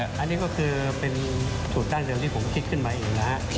อันนี้ก็คือเป็นสูตรดั้งเดิมที่ผมคิดขึ้นมาเองนะฮะ